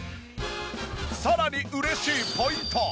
さらに嬉しいポイント。